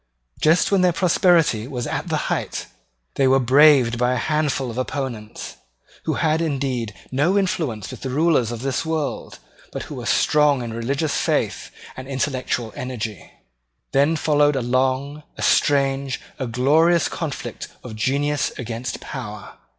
Just when their prosperity was at the height, they were braved by a handful of opponents, who had indeed no influence with the rulers of this world, but who were strong in religious faith and intellectual energy. Then followed a long, a strange, a glorious conflict of genius against power.